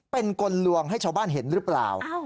เป็นกลลวงให้ชาวบ้านเห็นหรือเปล่า